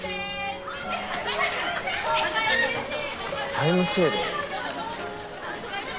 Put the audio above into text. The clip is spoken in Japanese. タイムセール？